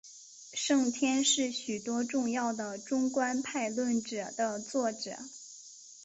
圣天是许多重要的中观派论着的作者。